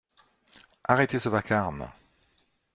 Arrêtez ce vacarme!